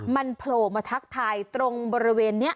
มันโผล่มาทักทายตรงบริเวณนี้